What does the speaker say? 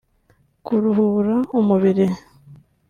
kuruhura umubiri